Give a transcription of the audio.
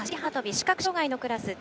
視覚障がいのクラス。